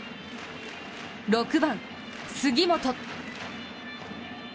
６番、杉本。